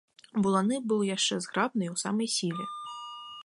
Буланы быў яшчэ зграбны і ў самай сіле.